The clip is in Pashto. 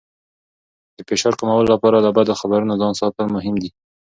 د فشار کمولو لپاره له بدو خبرونو ځان ساتل مهم دي.